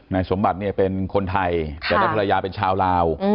นายสมบัติเนี่ยเป็นคนไทยแต่ได้ภรรยาเป็นชาวลาว